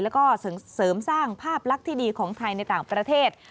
แล้วก็เสริมสร้างภาพลักษณ์ที่ดีของไทยในต่างประเทศ